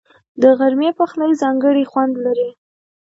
د غرمې پخلی ځانګړی خوند لري